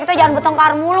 kita jangan bertengkar mulu